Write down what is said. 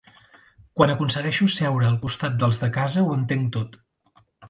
Quan aconsegueixo seure al costat dels de casa ho entenc tot.